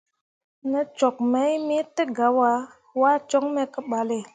Ne cok me te gah wah, waa coŋ me ke balle.